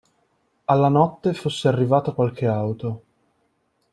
Alla notte fosse arrivata qualche auto